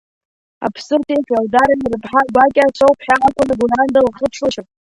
Аԥсырҭи Феодореи рыԥҳа гәакьа соуп ҳәа акәын Гәыранда лхы шылшьоз.